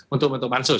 untuk bentuk pansus